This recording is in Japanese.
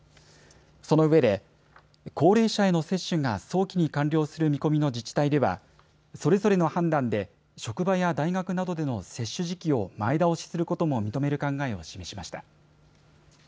そのうえで高齢者への接種が早期に完了する見込みの自治体ではそれぞれの判断で職場や大学などでの接種時期を前倒しすることも認める考えを示しました。